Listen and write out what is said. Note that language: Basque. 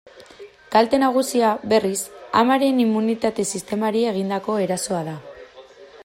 Kalte nagusia, berriz, amaren immunitate-sistemari egindako erasoa da.